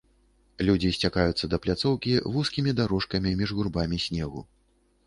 Людзі сцякаюцца да пляцоўкі вузкімі дарожкамі між гурбамі снегу.